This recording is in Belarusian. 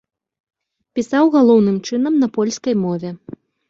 Пісаў галоўным чынам на польскай мове.